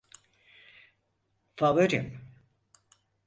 Favorim.